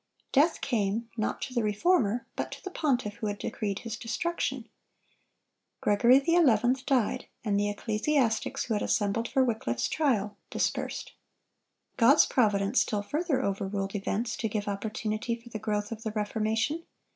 Death came, not to the Reformer, but to the pontiff who had decreed his destruction. Gregory XI. died, and the ecclesiastics who had assembled for Wycliffe's trial, dispersed. God's providence still further overruled events to give opportunity for the growth of the Reformation.